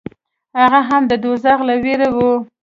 هغه هم د دوزخ له وېرې و.